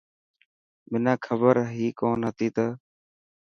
منا کبر هي ڪونه هتي ته.